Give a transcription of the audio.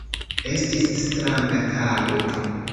Estis stranga tago.